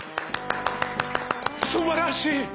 すばらしい！